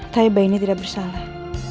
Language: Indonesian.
taiba ini tidak bersalah